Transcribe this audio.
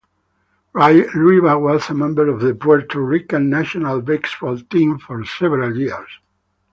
Rivas was a member of the Puerto Rican National Basketball Team for several years.